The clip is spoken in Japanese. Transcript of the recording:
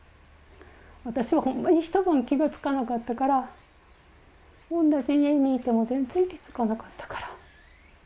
私は本当に一晩気が付かなかったから、おんなじ家にいても、全然気付かなかったから。